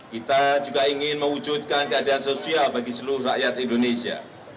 kita juga ingin mewujudkan keadaan sosial bagi seluruh rakyat indonesia